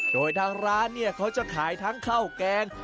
โดยทางร้านเนี่ยเขาจะขายทั้งข้าวแกง